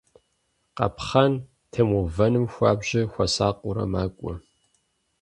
Къапхъэн темыувэным хуабжьу хуэсакъыурэ макӀуэ.